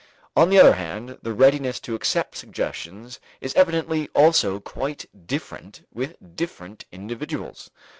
On the other hand, the readiness to accept suggestions is evidently also quite different with different individuals.